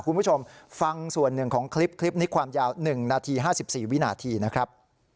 คุณผู้ชมฟังส่วนหนึ่งของคลิปนี้ความยาว๑นาที๕๔วินาทีนะครับ